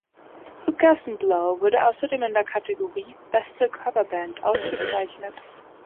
Hookers N' Blow wurde außerdem in der Kategorie „Beste Coverband“ ausgezeichnet.